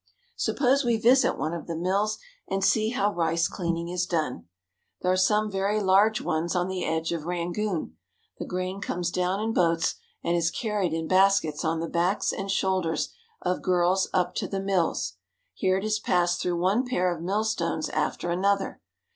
Suppose we visit one of the mills and see how rice cleaning is done. There are some very large ones on the edge of Rangoon. The grain comes down in boats and is carried in baskets oii the backs and shoulders of girls up to the mills. Here it is passed through one pair of mill stones after another.